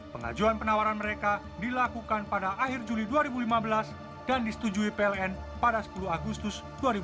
pengajuan penawaran mereka dilakukan pada akhir juli dua ribu lima belas dan disetujui pln pada sepuluh agustus dua ribu delapan belas